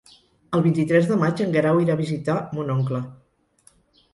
El vint-i-tres de maig en Guerau irà a visitar mon oncle.